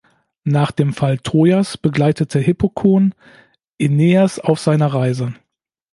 Nach dem Fall Trojas begleitete Hippokoon Aeneas auf seiner Reise.